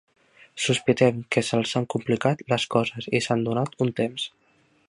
Sospitem que se'ls han complicat les coses i s'han donat un temps.